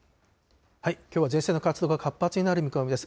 きょうは前線の活動が活発になる見込みです。